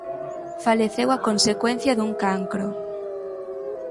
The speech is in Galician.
Faleceu a consecuencia dun cancro.